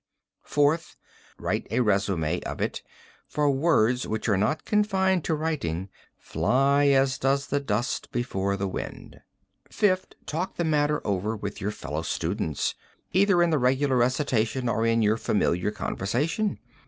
"Fourth: Write a resume of it, for words which are not confided to writing fly as does the dust before the wind. "Fifth: Talk the matter over with your fellow students, either in the regular recitation or in your familiar conversation.